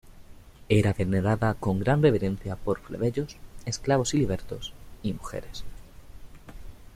Era venerada con gran reverencia por plebeyos, esclavos y libertos y mujeres.